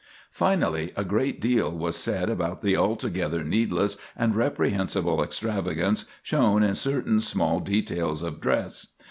Finally, a great deal was said about the altogether needless and reprehensible extravagance shown in certain small details of dress.